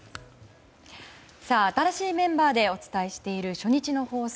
新しいメンバーでお伝えしている初日の放送。